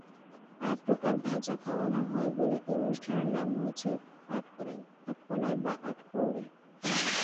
আট প্রকার ভাজা খাওয়ানো হয় বলে এ অনুষ্ঠানের নাম হয়েছে আটকড়াই, আটকলাই বা আটকৌড়ে।